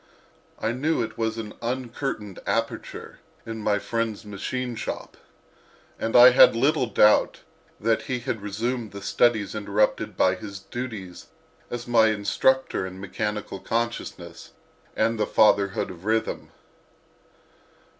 I knew it was an uncurtained aperture in my friend's "machine shop," and I had little doubt that he had resumed the studies interrupted by his duties as my instructor in mechanical consciousness and the fatherhood of Rhythm.